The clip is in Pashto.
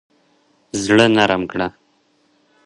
زړه نرم کړه.